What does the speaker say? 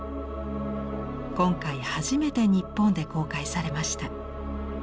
今回初めて日本で公開されました。